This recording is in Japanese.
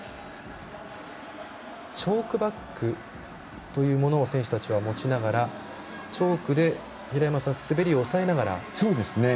チョークバッグというものを選手たちは持ちながらチョークで、滑りを抑えながら。